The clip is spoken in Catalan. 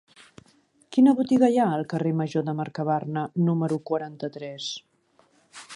Quina botiga hi ha al carrer Major de Mercabarna número quaranta-tres?